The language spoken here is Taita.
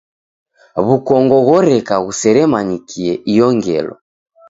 W'ukongo ghoreka ghuseremanyikie iyo ngelo.